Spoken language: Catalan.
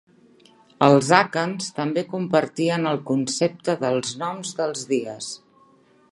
Els àkans també compartien el concepte dels noms dels dies.